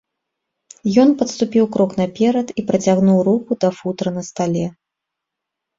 Ён падступіў крок наперад і працягнуў руку да футра на стале.